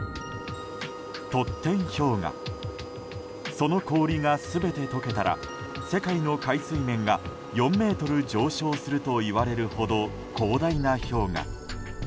その氷が全て解けたら世界の海水面が４ｍ上昇するといわれるほど広大な氷河。